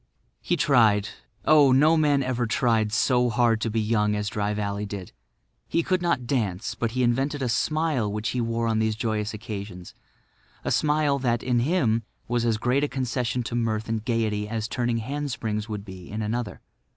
He tried—oh, no man ever tried so hard to be young as Dry Valley did. He could not dance; but he invented a smile which he wore on these joyous occasions, a smile that, in him, was as great a concession to mirth and gaiety as turning hand springs would be in another.